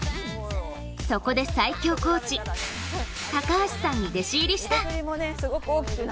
そこで、最強コーチ・高橋さんに弟子入りした。